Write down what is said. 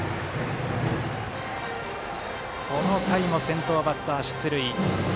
この回も先頭バッター出塁。